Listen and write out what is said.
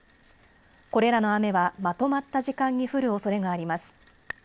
これらの雨はまとまった時間に降るおそれがあります。